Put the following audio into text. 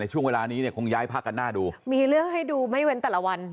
ช่วงเวลานี้เนี่ยคงย้ายภาคกันหน้าดูมีเรื่องให้ดูไม่เว้นแต่ละวัน